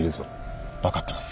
・分かってます。